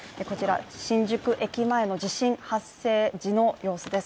新宿駅の地震発生時の様子です。